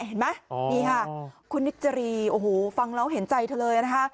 เห็นไหมนี่ค่ะคุณนิจรีโอ้โหฟังแล้วเห็นใจเธอเลยนะคะ